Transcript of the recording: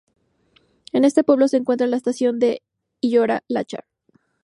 En este pueblo se encuentra la Estación de Íllora-Láchar.